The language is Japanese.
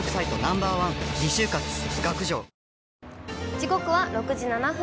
時刻は６時７分。